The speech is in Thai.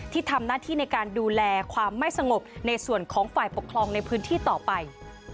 ที่ทำหน้าที่ในการดูแลความไม่สงบในส่วนของฝ่ายปกครองในพื้นที่ต่อไป